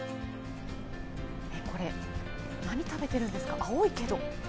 これ、何食べているんですか、青いけど。